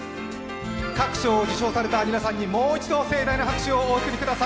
各賞を受賞された皆さんにもう一度、盛大な拍手をお送りください。